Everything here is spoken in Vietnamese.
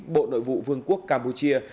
bộ nội vụ vương quốc campuchia